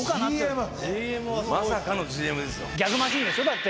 まさかのＧＭですよ。